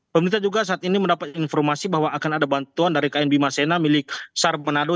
pemerintah juga saat ini mendapat informasi bahwa akan ada bantuan dari kn bima sena milik sar manado